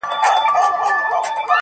جنته ستا د مخ د لمر رڼا ته درېږم~